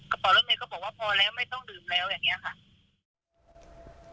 กระเป๋ารถเมย์ก็บอกว่าพอแล้วไม่ต้องดื่มแล้วอย่างนี้ค่ะ